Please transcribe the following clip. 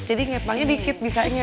jadi ngepangnya dikit bisanya